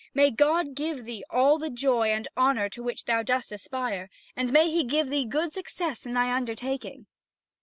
May God give thee all the joy and honour to which thou dost aspire, and may He give thee good success in thy undertaking."